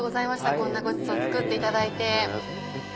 こんなごちそう作っていただいて。